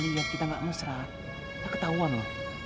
lihat kita gak musrah tak ketahuan loh